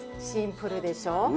シンプルでしょう。